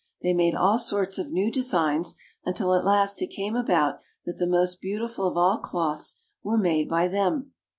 They made all sorts of new designs, until at last it came about that the most beautiful of all cloths were made by them.